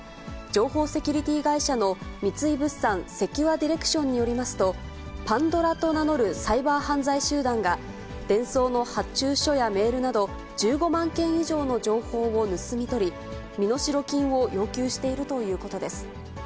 情報セキュリティー会社の三井物産セキュアディレクションによりますと、Ｐａｎｄｏｒａと名乗るサイバー犯罪集団が、デンソーの発注書やメールなど、１５万件以上の情報を盗み取り、身代金を要求しているということです。